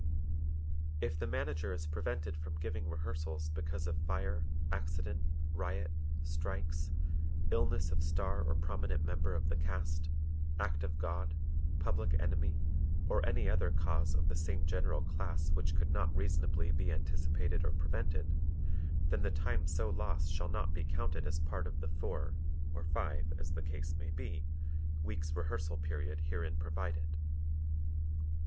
If the Manager is prevented from giving rehearsals because of fire, accident, riot, strikes, illness of star or prominent member of the cast, act of God, public enemy or any other cause of the same general class which could not reasonably be anticipated or prevented, then the time so lost shall not be counted as part of the four (or five, as the case may be) weeks' rehearsal period herein provided.